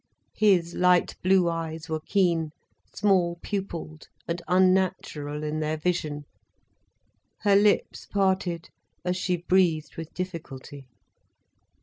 His light blue eyes were keen, small pupilled and unnatural in their vision. Her lips parted, as she breathed with difficulty.